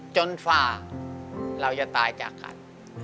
ฝ่าเราจะตายจากกัน